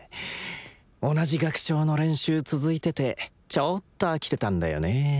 同じ楽章の練習続いててちょっと飽きてたんだよね。